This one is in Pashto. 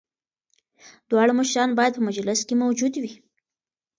دواړه مشران باید په مجلس کي موجود وي.